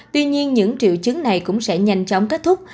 tuy nhiên những triệu chứng này cũng sẽ nhanh chóng kết thúc